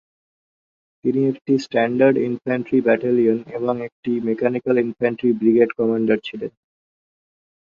তিনি একটি standard infantry battalion এবং একটি মেকানিক্যাল ইনফ্যান্ট্রি ব্রিগেড কমান্ডার ছিলেন।